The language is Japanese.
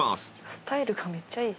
スタイルがめっちゃいい。